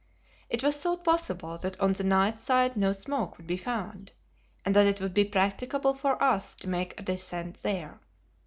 It was thought possible that on the night side no smoke would be found and that it would be practicable for us to make a descent there.